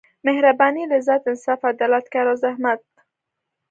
مهربانۍ لذت انصاف عدالت کار او زحمت.